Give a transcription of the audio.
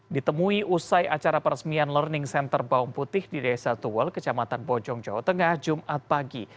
ditemui usai acara peresmian learning center bawang putih di desa tuwel kecamatan bojong jawa tengah jumat pagi